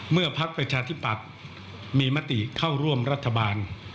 เมื่อภักษณ์ประชาธิบัติมีมติเข้าร่วมรัฐบาล